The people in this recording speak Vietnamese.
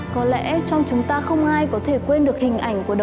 có lẽ trong chúng ta không ai có thể quên được hình ảnh của đồng chí lãnh đạo